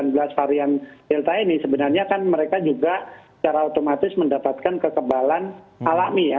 jadi kalau kita lihat dari virus covid sembilan belas varian delta ini sebenarnya kan mereka juga secara otomatis mendapatkan kekebalan alami ya